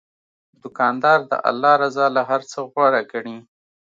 دوکاندار د الله رضا له هر څه غوره ګڼي.